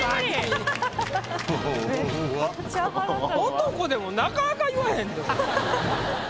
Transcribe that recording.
男でもなかなか言わへんで。